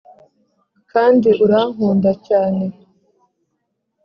kandi urankunda cyane